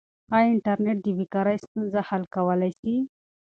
آیا انټرنیټ د بې کارۍ ستونزه حل کولای سي؟